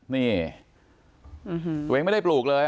เนี่ยเว้งไม่ได้ปลูกเลยอ่ะ